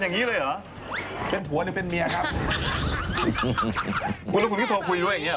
น่ะคุณคือโทรปุ๊ยด้วยอย่างนี้หรอ